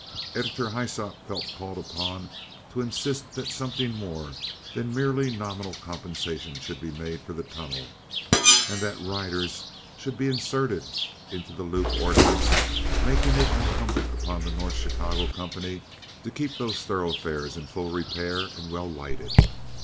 Editor Hyssop felt called upon to insist that something more than merely nominal compensation should be made for the tunnel, and that "riders" should be inserted in the loop ordinance making it incumbent upon the North Chicago company to keep those thoroughfares in full repair and well lighted.